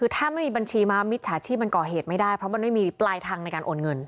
คือถ้าไม่มีบัญชีมามิจฉาชีพมันก่อเหตุไม่ได้เพราะมันไม่มีปลายทางในการโอนเงิน